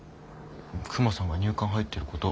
クマさんが入管入ってること。